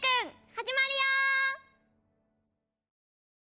はじまるよ！